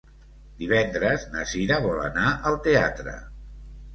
Divendres na Cira vol anar al teatre.